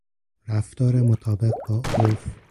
رفتار مطابق با عرف